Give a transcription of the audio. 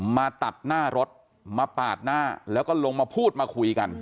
มาตัดหน้ารถมาปาดหน้าแล้วก็ลงมาพูดมาคุยกัน